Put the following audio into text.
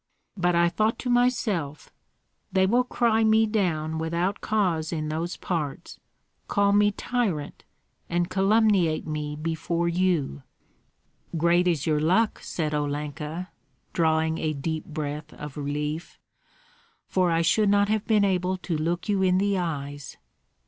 But I thought to myself, 'They will cry me down without cause in those parts, call me tyrant, and calumniate me before you!'" "Great is your luck," said Olenka, drawing a deep breath of relief, "for I should not have been able to look you in the eyes."